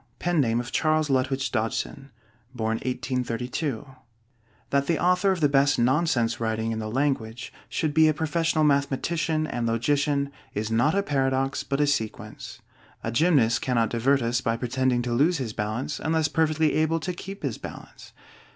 LEWIS CARROLL (CHARLES LUTWIDGE DODGSON) (1832 ) That the author of the best nonsense writing in the language should be a professional mathematician and logician, is not a paradox but a sequence. A gymnast cannot divert us by pretending to lose his balance unless perfectly able to keep his balance.